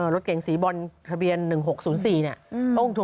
รถเก๋งสีบอลทะเบียน๑๖๐๔เนี่ย